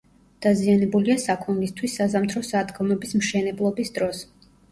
დაზიანებულია საქონლისთვის საზამთრო სადგომების მშენებლობის დროს.